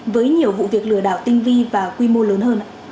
với nhiều vụ việc lừa đảo tinh vi và quy mô lớn hơn